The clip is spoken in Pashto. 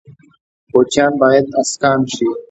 کوچیان باید اسکان شي